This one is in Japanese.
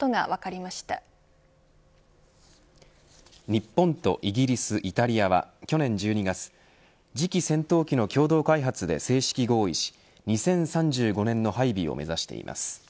日本とイギリス、イタリアは去年１２月、次期戦闘機の共同開発で正式合意し２０３５年の配備を目指しています。